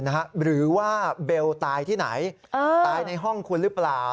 หรือว่าเบลตายที่ไหนตายในห้องคุณหรือเปล่า